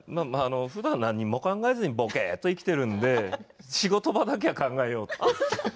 ふだん何も考えずにぼけっと生きているので仕事場だけは考えようと。